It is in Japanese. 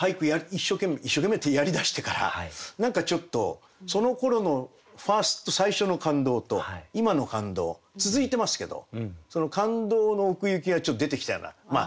一生懸命一生懸命ってやりだしてから何かちょっとそのころの最初の感動と今の感動続いてますけどその感動の奥行きがちょっと出てきたようなまあ